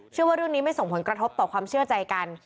เชื่อว่าเรื่องนี้ไม่ส่งผลกระทบต่อความเชื่อใจกัน